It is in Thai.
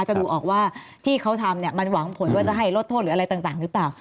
จะดูออกว่าที่เขาทำเนี่ยมันหวังผลว่าจะให้ลดโทษหรืออะไรต่างหรือเปล่า